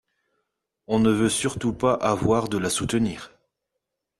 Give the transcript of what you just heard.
on ne veut surtout pas avoir de la soutenir.